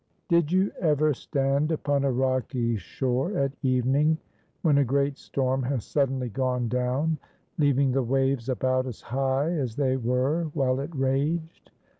Did you ever stand upon a rocky shore at evening when a great storm has suddenly gone down, leaving the waves about as high as they were while it raged?